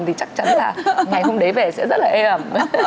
thì chắc chắn là ngày hôm đấy về sẽ rất là ê ẩm